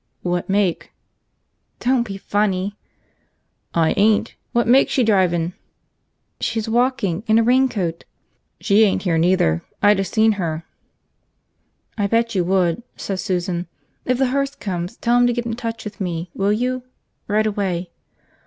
"What make?" "Don't be funny!" "I ain't. What make's she drivin'?" "She's walking. In a raincoat." "She ain't here neither. I'd of seen her." "I bet you would," said Susan. "If the hearse comes, tell him to get in touch with me. Will you? Right away."